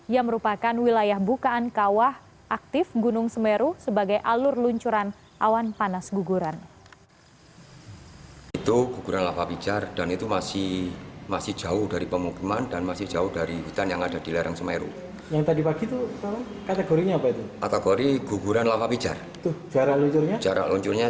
yang merupakan wilayah bukaan kawah aktif gunung semeru sebagai alur luncuran awan panas guguran